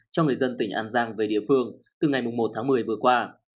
cho người dân tỉnh an giang về địa phương từ ngày một tháng một mươi vừa qua